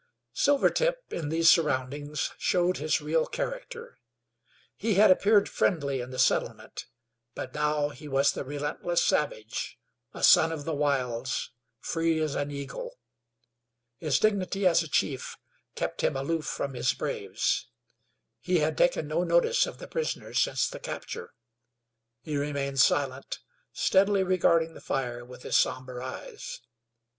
Silvertip, in these surroundings, showed his real character. He had appeared friendly in the settlement; but now he was the relentless savage, a son of the wilds, free as an eagle. His dignity as a chief kept him aloof from his braves. He had taken no notice of the prisoners since the capture. He remained silent, steadily regarding the fire with his somber eyes.